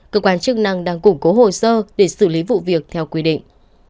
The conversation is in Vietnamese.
cơ quan chức năng đang củng cố hồ sơ để xử lý vụ việc theo quy định